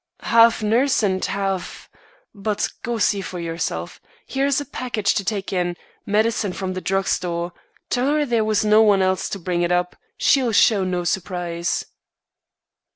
"Half nurse and half but go see for yourself. Here's a package to take in, medicine from the drug store. Tell her there was no one else to bring it up. She'll show no surprise."